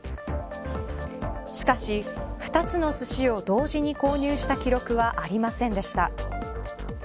しかし、２つのすしを同時に購入した記録はありませんでした。